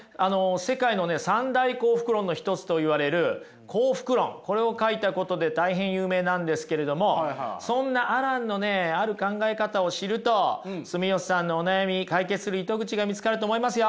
世界の三大幸福論の一つといわれる「幸福論」これを書いたことで大変有名なんですけれどもそんなアランのねある考え方を知ると住吉さんのお悩み解決する糸口が見つかると思いますよ。